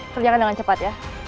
kerjakan dengan cepat ya